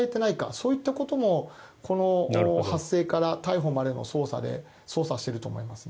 そういったことも発生から逮捕までの捜査で捜査していると思いますね。